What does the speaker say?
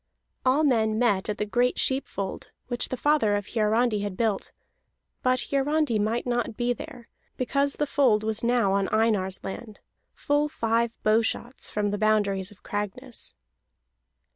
All men met at the great sheep fold which the father of Hiarandi had built; but Hiarandi might not be there, because the fold was now on Einar's land, full five bowshots from the boundaries of Cragness.